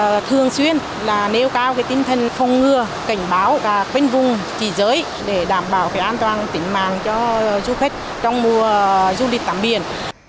chúng tôi thường xuyên là nêu cao tinh thần phong ngừa cảnh báo và khuyên vùng chỉ giới để đảm bảo an toàn tỉnh mạng cho du khách trong mùa du lịch tắm biển